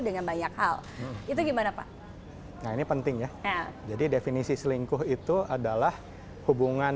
dengan banyak hal itu gimana pak nah ini penting ya jadi definisi selingkuh itu adalah hubungan